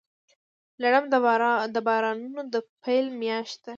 لړم د بارانونو د پیل میاشت ده.